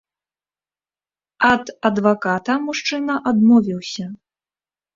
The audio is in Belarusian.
Ад адваката мужчына адмовіўся.